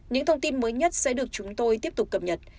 những thông tin mới nhất sẽ được truyền thông báo